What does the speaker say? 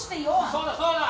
そうだそうだ！